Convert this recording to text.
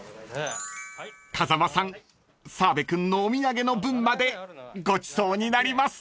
［風間さん澤部君のお土産の分までごちそうになります］